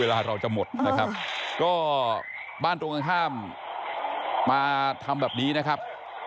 เวลาเราจะหมดนะครับก็บ้านตรงข้างมาทำแบบนี้นะครับ